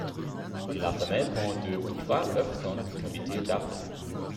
La femelle pond deux ou trois œufs dans une cavité d'arbre.